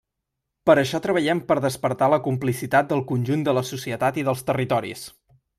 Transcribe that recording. Per això treballem per despertar la complicitat del conjunt de la societat i dels territoris.